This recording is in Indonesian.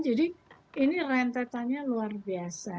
jadi ini rentetannya luar biasa